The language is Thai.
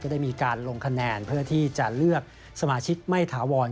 ได้มีการลงคะแนนเพื่อที่จะเลือกสมาชิกไม่ถาวร